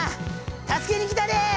助けに来たで！